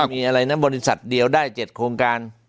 มีอะไรนะบริษัทเดียวได้๗โครงการ